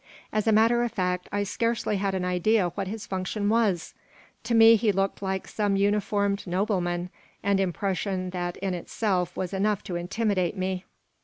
As a matter of fact, I scarcely had an idea what his function was. To me he looked like some uniformed nobleman an impression that in itself was enough to intimidate me.